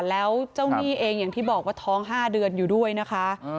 แล้วเจ้าหนี้เองอย่างที่บอกว่าท้อง๕เดือนอยู่ด้วยนะคะ